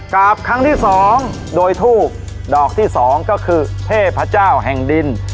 กราบครั้งที่๒โดยทูบดอกที่๒ก็คือเทพเจ้าแห่งดิน